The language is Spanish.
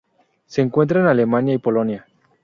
Se encuentra en Alemania y Polonia.